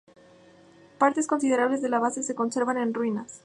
Partes considerables de la base se conservan en ruinas.